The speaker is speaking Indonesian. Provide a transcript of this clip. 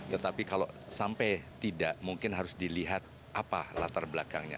tetapi kalau sampai tidak mungkin harus dilihat apa latar belakangnya